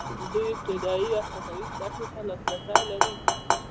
دوی ابتدايي او ثانوي زده کړې ته لاسرسی لري.